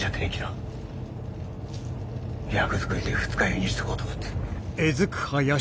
役作りで二日酔いにしとこうと思って。